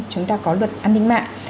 chúng ta có luật an ninh mạng